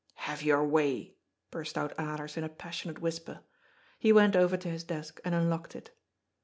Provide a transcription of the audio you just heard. " Have your way," burst out Alers in a passionate whisper. He went over to his desk and unlocked it.